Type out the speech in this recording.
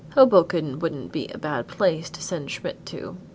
Hoboken would'nt be a bad place to send Schmidt to."